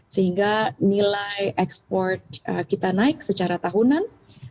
sehingga nilai ekspor kita naik secara tahunan